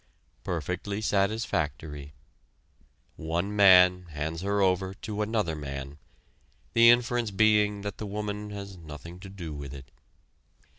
Perfectly satisfactory. One man hands her over to another man, the inference being that the woman has nothing to do with it.